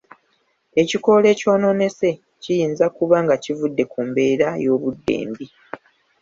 Ekikoola ekyonoonese kiyinza kuba nga kivudde ku mbeera y'obudde embi.